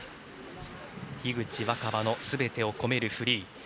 樋口新葉のすべてを込めるフリー。